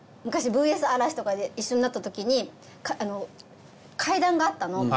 昔『ＶＳ嵐』とかで一緒になったときに階段があったの。